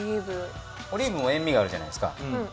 オリーブも塩味があるじゃないですか。